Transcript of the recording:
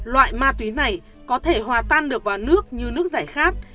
loại ma túy này có thể hòa tan được vào nước như nước giải khát